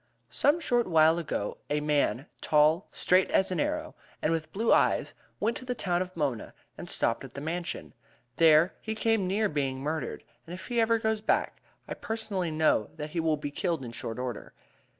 "Some short while ago a man, tall, straight as an arrow, and with blue eyes, went to the town of Mona and stopped at the Mansion. There he came near being murdered, and if he ever goes back, I personally know that he will be killed in short order.